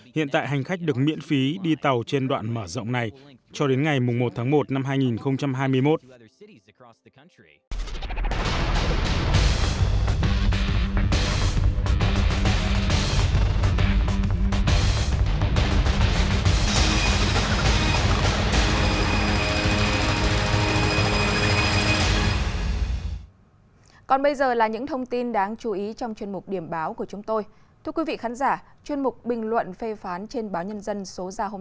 hiện tại hành khách được miễn phí đi tàu trên đoạn mở rộng này cho đến ngày một tháng một năm hai nghìn hai mươi một